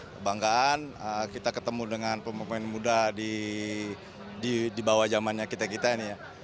kebanggaan kita ketemu dengan pemain pemain muda di bawah zamannya kita kita ini ya